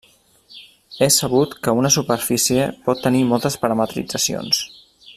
És sabut que una superfície pot tenir moltes parametritzacions.